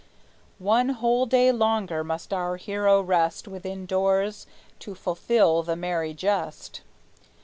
One whole day longer must our hero rest Within doors, to fulfill the merry jest.